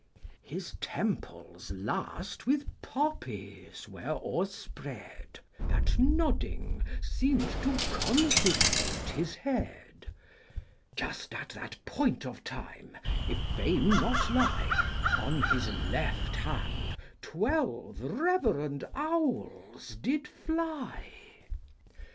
His temples, last, with poppies were o'erspread, That nodding seem'd to consecrate his head. Just at the point of time, if fame not lie, On his left hand twelve reverend owls did fly.